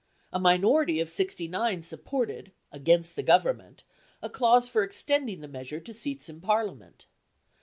A minority of sixty nine supported, against the Government, a clause for extending the measure to seats in Parliament.